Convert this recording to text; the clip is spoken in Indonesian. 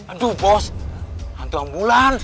aduh bos hantu ambulan